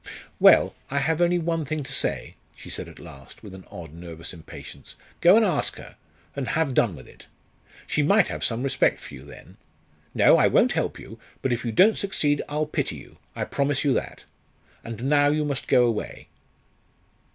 "Well, I have only one thing to say," she said at last, with an odd nervous impatience "go and ask her, and have done with it! She might have some respect for you then. No, I won't help you; but if you don't succeed, I'll pity you I promise you that. And now you must go away."